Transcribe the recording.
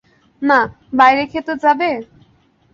না, বাইরে খেতে যাবে?